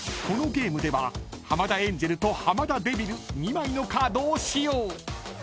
［このゲームでは浜田エンジェルと浜田デビル２枚のカードを使用］